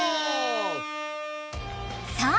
さあ